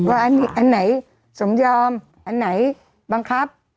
อันไหนสมยอมอันไหนบังคับ